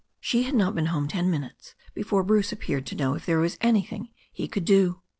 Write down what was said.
She had not been home ten minutes before Bruce ap peared to know if there was anything he could do.